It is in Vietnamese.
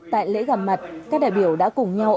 tại lễ gặp mặt các đại biểu đã cùng nhau